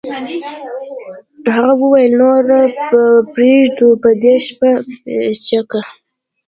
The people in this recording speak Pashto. هغه وویل نوره به پرېږدو په دې شپه پیچکه